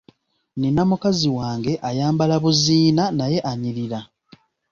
Nina mukazi wange ayambala buziina naye anyirira.